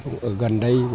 ở gần đây